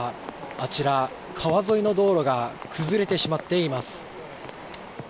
あちら、川沿いの道路が崩れてしまっています。